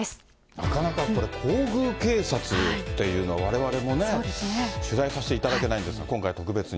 なかなかこれ、皇宮警察っていうのはわれわれもね、取材させていただけないんですが、今回特別に。